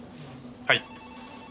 はい。